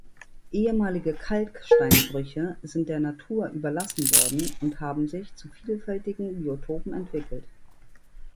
Ehemalige Kalksteinbrüche sind der Natur überlassen worden und haben sich zu vielfältigen Biotopen entwickelt.